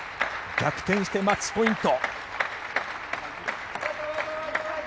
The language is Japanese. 逆転してマッチポイント。